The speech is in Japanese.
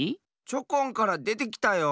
チョコンからでてきたよ。